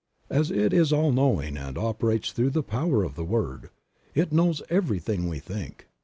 As It is All Knowing and operates through the power of the Word, It know everything we think.